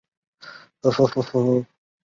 其也被誉为尼泊尔的国民美食。